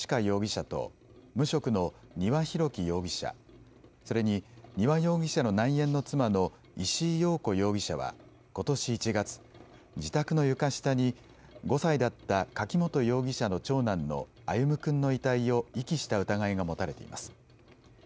容疑者と無職の丹羽洋樹容疑者、それに丹羽容疑者の内縁の妻の石井陽子容疑者はことし１月、自宅の床下に５歳だった柿本容疑者の長男の歩夢君の遺体を遺棄した疑いが持たれています。